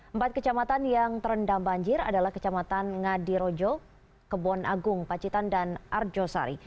empat kecamatan yang terendam banjir adalah kecamatan ngadirojo kebon agung pacitan dan arjosari